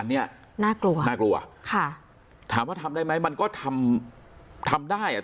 อันนี้น่ากลัวน่ากลัวค่ะถามว่าทำได้ไหมมันก็ทำทำได้อ่ะ